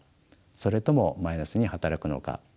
それともマイナスに働くのか。